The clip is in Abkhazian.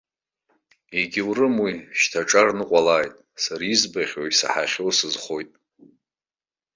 Егьаурым уи, шьҭа аҿар ныҟәалааит, сара избахьоу-исаҳахьоу сызхоит.